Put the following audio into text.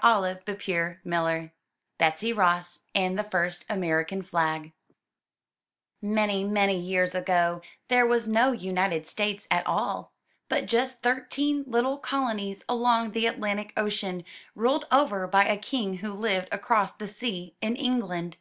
292 UP ONE PAIR OF STAIRS BETSY ROSS AND THE FIRST AMERICAN FLAG Many, many years ago there was no United States at all, but just thirteen little colonies along the Atlantic Ocean, ruled over by a King who lived across the sea in England.